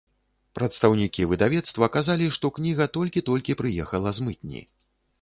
Прадстаўнікі выдавецтва казалі, што кніга толькі-толькі прыехала з мытні.